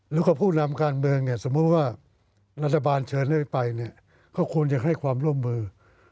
แล้วก็ผู้นำการเมืองเนี่ยสมมุติว่ารัฐบาลเชิญให้ไปเนี่ยก็ควรจะให้ความร่วมมือ